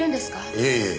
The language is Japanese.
いえいえ。